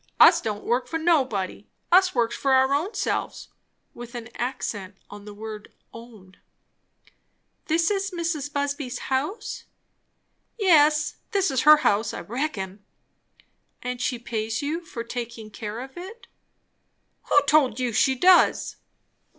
"Us don't work for nobody. Us works for our ownselves;" with an accent on the word "own." "This is Mrs. Busby's house?" "Yes, this is her house, I reckon." "And she pays you for taking care of it." "Who told you she does?"